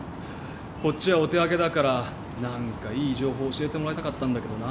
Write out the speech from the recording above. こっちはお手上げだから何かいい情報を教えてもらいたかったんだけどな。